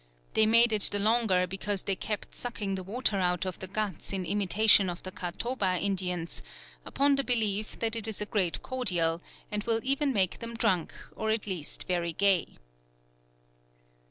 They made it the longer because they kept Sucking the Water out of the Guts in imitation of the Catauba Indians, upon the belief that it is a great Cordial, and will even make them drunk, or at least very Gay."